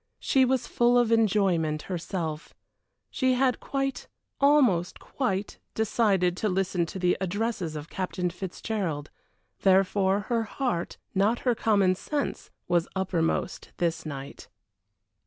She was full of enjoyment herself; she had quite almost quite decided to listen to the addresses of Captain Fitzgerald, therefore her heart, not her common sense, was uppermost this night.